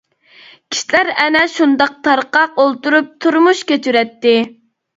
كىشىلەر ئەنە شۇنداق تارقاق ئولتۇرۇپ تۇرمۇش كەچۈرەتتى.